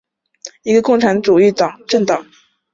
南奥塞梯共产党是南奥塞梯共和国的一个共产主义政党。